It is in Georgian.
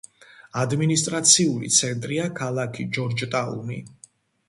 ადმინისტრაციული ცენტრია ქალაქი ჯორჯტაუნი.